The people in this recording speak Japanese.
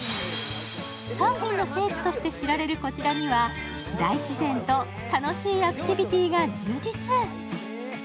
サーフィンの聖地として知られるこちらには大自然と楽しいアクティビティーが充実。